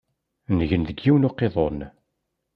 Ngen deg yiwen n uqiḍun.